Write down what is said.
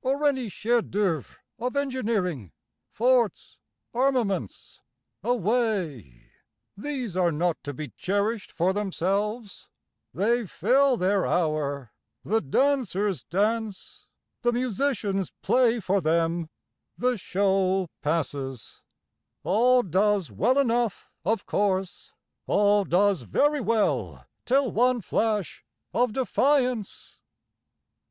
or any chef d'oeuvres of engineering, forts, armaments? Away! these are not to be cherish'd for themselves, They fill their hour, the dancers dance, the musicians play for them, The show passes, all does well enough of course, All does very well till one flash of defiance.